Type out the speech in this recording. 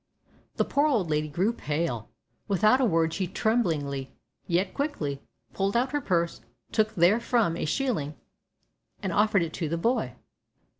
The poor old lady grew pale. Without a word she tremblingly, yet quickly, pulled out her purse, took therefrom a shilling, and offered it to the boy.